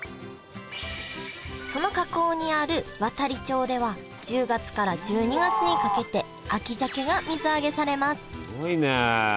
その河口にある亘理町では１０月から１２月にかけて秋鮭が水揚げされますすごいね。